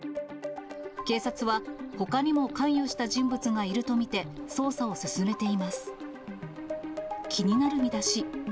警察は、ほかにも関与した人物がいると見て、捜査を進めています。